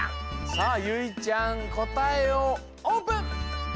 さあゆいちゃんこたえをオープン！